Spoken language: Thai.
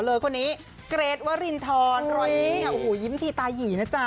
เธอคนนี้เกรทว่ารินทรรอยนี้ยิ้มทีตาหยี่นะจ๊ะ